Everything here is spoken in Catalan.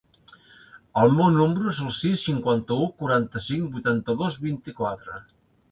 El meu número es el sis, cinquanta-u, quaranta-cinc, vuitanta-dos, vint-i-quatre.